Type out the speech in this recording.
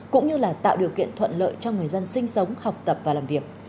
cũng như là tạo điều kiện thuận lợi cho người dân sinh sống học tập và làm việc